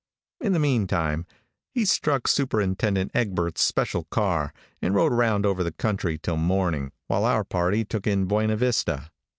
In the meantime, he struck Superintendent Egbert's special car, and rode around over the country till morning, while our party took in Buena Vista.